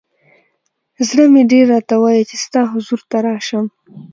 ز ړه مې ډېر راته وایی چې ستا حضور ته راشم.